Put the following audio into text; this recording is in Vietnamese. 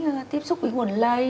phải tránh tiếp xúc với nguồn lây